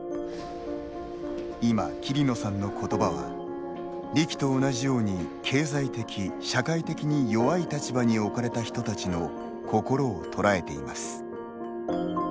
今、桐野さんの言葉は、リキと同じように経済的・社会的に弱い立場に置かれた人たちの心を捉えています。